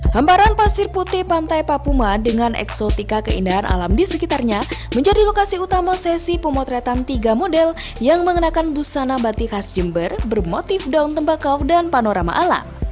hamparan pasir putih pantai papuma dengan eksotika keindahan alam di sekitarnya menjadi lokasi utama sesi pemotretan tiga model yang mengenakan busana batik khas jember bermotif daun tembakau dan panorama alam